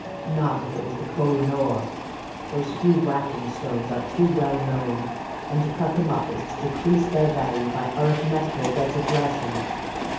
Not if it was the Koh i noor; those few whacking stones are too well known, and to cut them up is to decrease their value by arithmetical retrogression.